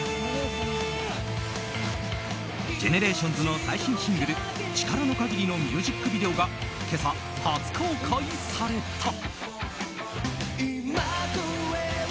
ＧＥＮＥＲＡＴＩＯＮＳの最新シングル「チカラノカギリ」のミュージックビデオが今朝、初公開された。